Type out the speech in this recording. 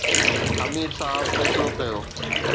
امير صاحب فيصلو ڪيو